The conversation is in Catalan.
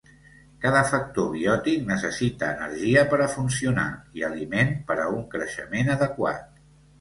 Cada factor biòtic necessita energia per a funcionar i aliment per a un creixement adequat.